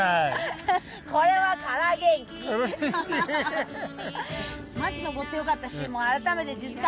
「空元気」マジ登ってよかったし改めてやった！